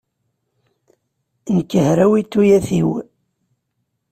Nekk hrawit tuyat-inu.